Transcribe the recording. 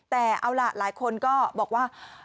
แต่เอาล่ะหลายคนก็บอกว่า